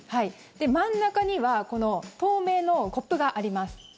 真ん中には透明のコップがあります。